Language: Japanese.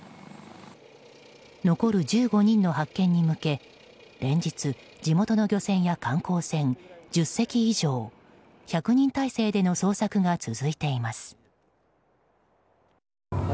残る１５人の発見に向け連日、地元の漁船や観光船１０隻以上１００人態勢での捜索が続いています。